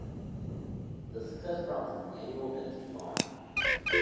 The success prompted an annual event to be born.